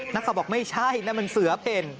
นักข่าวบอกไม่ใช่นั่นมันเสือเพ่น